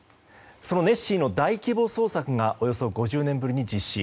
そのネッシーの大規模捜索がおよそ５０年ぶりに実施。